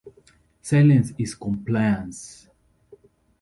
Silence is compliance.